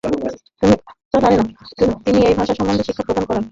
তিনি এই ভাষা সম্বন্ধে শিক্ষা প্রদান করেন।